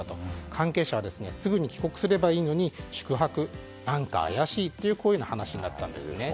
関係者はすぐに帰国すればいいのに宿泊は何か怪しいということになったんです。